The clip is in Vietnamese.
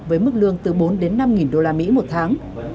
với mức lương từ bốn năm usd một tháng